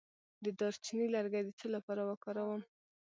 د دارچینی لرګی د څه لپاره وکاروم؟